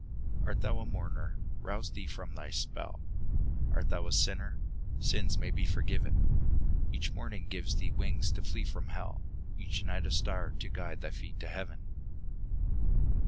Art thou a mourner? Rouse thee from thy spell ; Art thou a sinner? Sins may be forgiven ; Each morning gives thee wings to flee from hell, Each night a star to guide thy feet to heaven.